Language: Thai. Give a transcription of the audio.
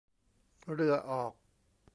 เรือออก